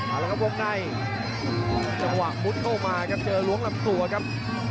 หลังกับวงในจังหวังมุ่นเข้ามาครับเจอโหล้งลำจั่วกับ